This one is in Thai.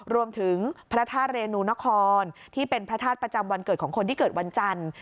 รวมถึงพระธาตุเรนูนครที่เป็นพระธาตุประจำวันเกิดของคนที่เกิดวันจันทร์